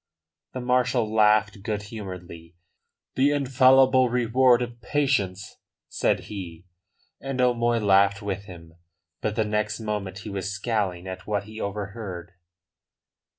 The marshal laughed good humouredly. "The infallible reward of patience," said he. And O'Moy laughed with him. But the next moment he was scowling at what he overheard.